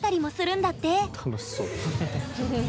楽しそう。